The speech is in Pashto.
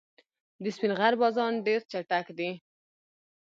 د سپین غر بازان ډېر چټک دي.